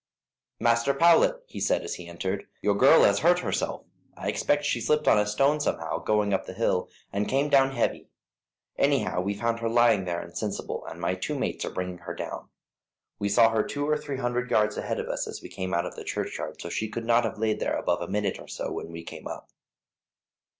"Master Powlett," he said as he entered, "your girl has hurt herself; I expect she slipped on a stone somehow, going up the hill, and came down heavy; anyhow we found her lying there insensible, and my two mates are bringing her down. We saw her two or three hundred yards ahead of us as we came out of the churchyard, so she could not have laid there above a minute or so when we came up."